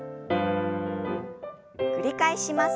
繰り返します。